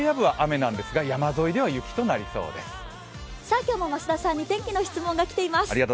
今日も増田さんに天気の質問が来ています。